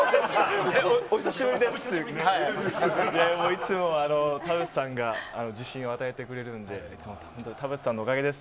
いつも田臥さんが自信を与えてくれるんで、いつも本当に田臥さんのおかげです。